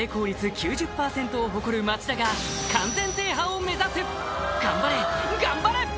９０％を誇る町田が完全制覇を目指す頑張れ頑張れっ！